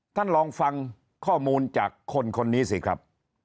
ท่านลองฟังข้อมูลจากคนคนนี้สิครับ